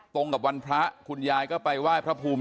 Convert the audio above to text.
ตรงกับวันพระคุณยายก็ไปไหว้พระภูมิ